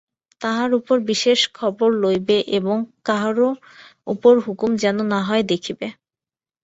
তাহার বিশেষ খবর লইবে এবং কাহারও ওপর হুকুম যেন না হয় দেখিবে।